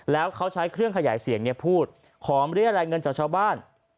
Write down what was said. แล้วเขาใช้เครื่องขยายเสียงพูดหอมเรียกรายเงินจากชาวบ้าน